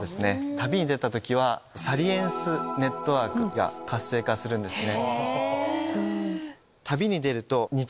旅に出た時はサリエンスネットワークが活性化するんですね。